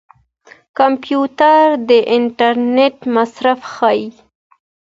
کمپيوټر د انټرنيټ مصرف ښيي.